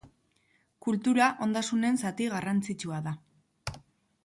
Kultura ondasunen zati garrantzitsua da.